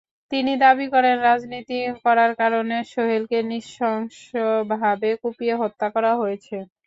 তিনি দাবি করেন, রাজনীতি করার কারণে সোহেলকে নৃশংসভাবে কুপিয়ে হত্যা করা হয়েছে।